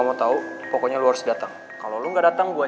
sampai jumpa di video selanjutnya